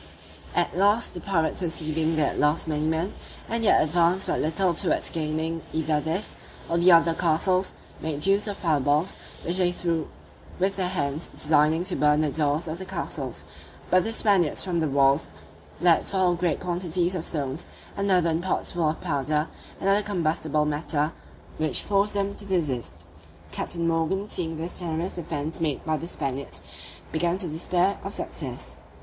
At last, the pirates perceiving they had lost many men, and yet advanced but little towards gaining either this, or the other castles, made use of fire balls, which they threw with their hands, designing to burn the doors of the castles; but the Spaniards from the walls let fall great quantities of stones, and earthen pots full of powder, and other combustible matter, which forced them to desist. Captain Morgan seeing this generous defence made by the Spaniards, began to despair of success.